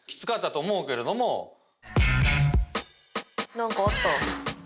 何かあった？